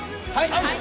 はい！